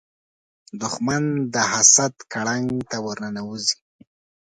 دښمن د حسد ګړنګ ته ورننوځي